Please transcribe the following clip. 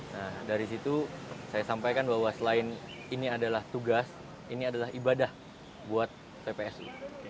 nah dari situ saya sampaikan bahwa selain ini adalah tugas ini adalah ibadah buat ppsu